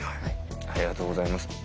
ありがとうございます。